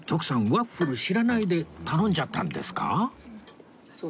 ワッフル知らないで頼んじゃったんですか？